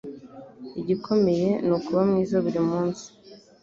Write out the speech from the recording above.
Igikomeye nukuba mwiza burimunsi